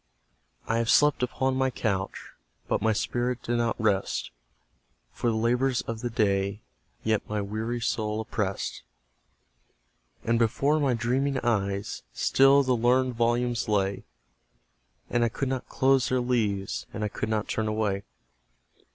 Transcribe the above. I have slept upon my couch, But my spirit did not rest, For the labours of the day Yet my weary soul opprest; And before my dreaming eyes Still the learned volumes lay, And I could not close their leaves, And I could not turn away.